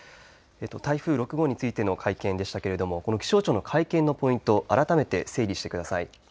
台風６号についての会見でしたが気象庁の会見のポイントを改めて整理してください。